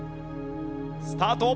スタート！